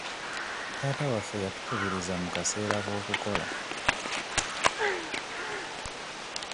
Taata waffe yatukubiriza mu kaseera k'okukola.